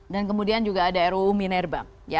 dan kemudian juga ada ruu minerba